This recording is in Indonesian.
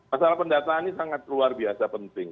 masalah pendataan ini sangat luar biasa penting